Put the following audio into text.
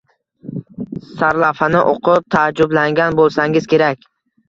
Sarlavhani oʻqib taajublangan boʻlsangiz kerak.